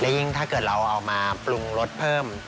ยิ่งถ้าเกิดเราเอามาปรุงรสเพิ่ม